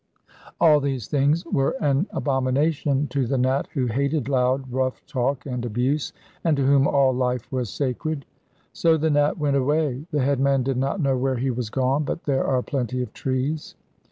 All these things were an abomination to the Nat, who hated loud, rough talk and abuse, and to whom all life was sacred. So the Nat went away. The headman did not know where he was gone, but there are plenty of trees.